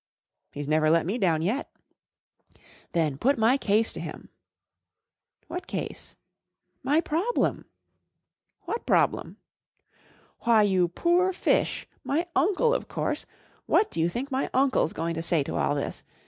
" He's never let me down yet." " Then put my case to him*" * What case ?" 1 My problem." " What problem ? ff ' Why, you poor fish, my uncle, of course. What do you think my uncle's going to say to all this